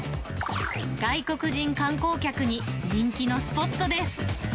外国人観光客に人気のスポットです。